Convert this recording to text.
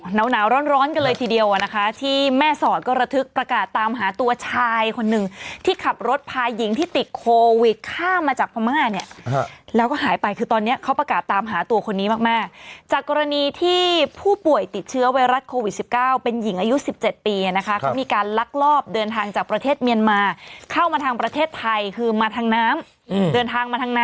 หนาวร้อนกันเลยทีเดียวอ่ะนะคะที่แม่สอดก็ระทึกประกาศตามหาตัวชายคนหนึ่งที่ขับรถพาหญิงที่ติดโควิดข้ามมาจากพม่าเนี่ยแล้วก็หายไปคือตอนนี้เขาประกาศตามหาตัวคนนี้มากมากจากกรณีที่ผู้ป่วยติดเชื้อไวรัสโควิด๑๙เป็นหญิงอายุ๑๗ปีนะคะเขามีการลักลอบเดินทางจากประเทศเมียนมาเข้ามาทางประเทศไทยคือมาทางน้ำเดินทางมาทางน้ำ